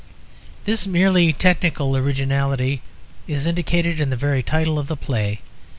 This merely technical originality is indicated in the very title of the play.